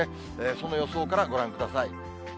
その予想からご覧ください。